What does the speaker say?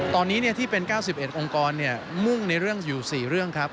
ตอนนี้ที่เป็น๙๑องค์กรมุ่งในเรื่องอยู่๔เรื่องครับ